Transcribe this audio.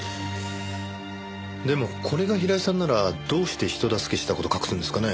でもこれが平井さんならどうして人助けした事隠すんですかね？